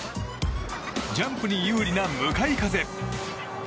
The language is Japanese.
ジャンプに有利な向かい風。